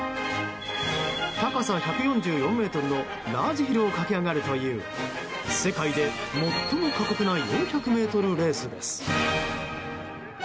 高さ１４４ｍのラージヒルを駆け上がるという世界で最も過酷な４００ｍレースです。